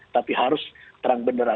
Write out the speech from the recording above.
tapi harus terang beneran